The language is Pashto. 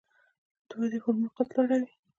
د ودې هورمون قد لوړوي